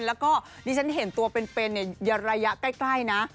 แล้วก็ดิฉันเห็นตัวเป็นระยะใกล้นะ